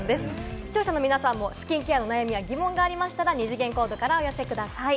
視聴者の皆さんもスキンケアの悩みや疑問がありましたら、二次元コードからお寄せください。